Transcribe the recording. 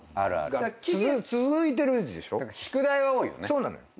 そうなのよ。